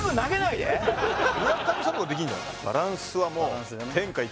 村上さんの方ができんじゃない？